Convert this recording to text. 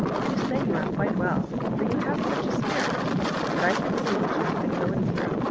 " Yon say you are quite well, for you have such a spirit; but I can see what you have been going through.